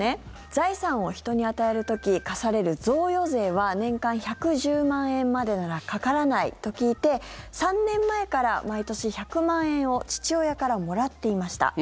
財産を人に与える時課される贈与税は年間１１０万円までならかからないと聞いて３年前から毎年１００万円を父親からもらっていました。